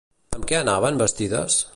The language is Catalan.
Amb què anaven vestides?